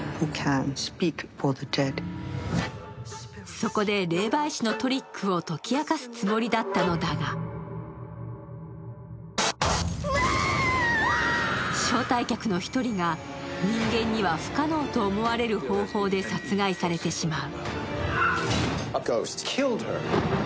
そこで霊媒師のトリックを解き明かすつもりだったのだが招待客の１人が人間には不可能と思われる方法で殺害されてしまう。